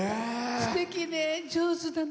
すてきで、上手だね。